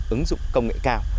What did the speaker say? ứng dụng công nghệ cao